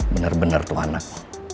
bener bener tuh anak